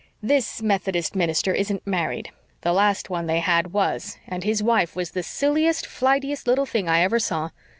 THIS Methodist minister isn't married. The last one they had was, and his wife was the silliest, flightiest little thing I ever saw.